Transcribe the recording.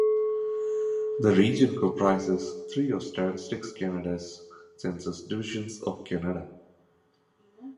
The region comprises three of Statistics Canada's census divisions of Canada.